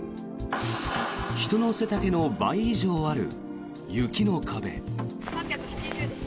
人の背丈の倍以上ある雪の壁。